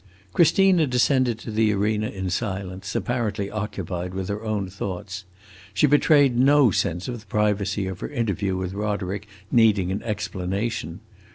Christina descended to the arena in silence, apparently occupied with her own thoughts. She betrayed no sense of the privacy of her interview with Roderick needing an explanation.